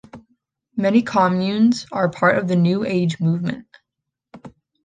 Many communes are part of the New Age movement.